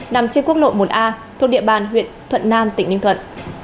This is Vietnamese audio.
nằm trên quốc lộ một a thuộc địa bàn huyện thuận nam tỉnh ninh thuận